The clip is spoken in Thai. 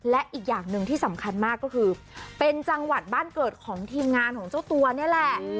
และอีกอย่างหนึ่งที่สำคัญมากก็คือเป็นจังหวัดบ้านเกิดของทีมงานของเจ้าตัวนี่แหละ